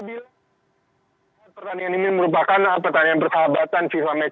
apabila pertandingan ini merupakan pertandingan persahabatan